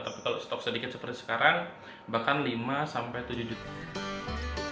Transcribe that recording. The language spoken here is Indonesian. tapi kalau stok sedikit seperti sekarang bahkan lima sampai tujuh juta